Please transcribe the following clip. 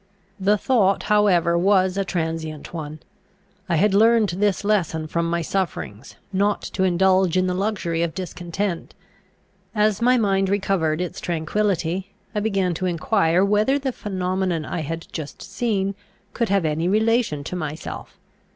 The thought however was a transient one. I had learned this lesson from my sufferings, not to indulge in the luxury of discontent. As my mind recovered its tranquillity, I began to enquire whether the phenomenon I had just seen could have any relation to myself.